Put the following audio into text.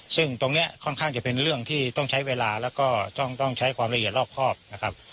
ซึ่งตรงนี้ค่อนข้างจะเป็นเรื่องที่ต้องใช้เวลาแล้วก็ต้องใช้ความละเอียดรอบครอบนะครับ